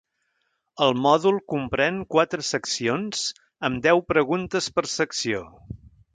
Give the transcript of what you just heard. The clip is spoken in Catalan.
El mòdul comprèn quatre seccions, amb deu preguntes per secció.